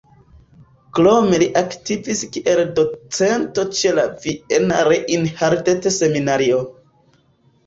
Krome li aktivis kiel docento ĉe la Viena Reinhardt-Seminario.